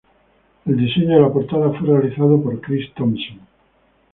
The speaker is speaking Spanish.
El diseño de la portada fue realizado por Chris Thompson.